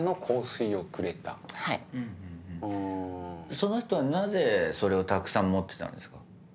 その人はなぜそれをたくさん持ってたんですか？